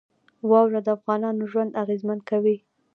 واوره د افغانانو ژوند اغېزمن کوي.